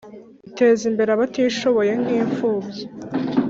Biteza imbere abatishoboye nk’imfubyi